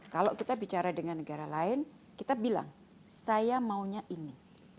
kalau kita bicara dengan negara lain kita bilang saya maunya ini